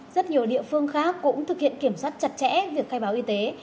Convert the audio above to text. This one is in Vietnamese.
rất nhiều địa phương khác cũng thực hiện kiểm soát chặt chẽ việc khai báo y tế